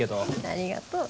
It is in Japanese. ありがとう。